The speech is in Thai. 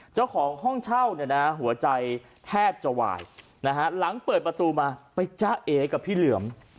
เจ้าของห้องเช่าเนี่ยนะหัวใจแทบจะวายนะฮะหลังเปิดประตูมาไปจ้าเอกับพี่เหลือม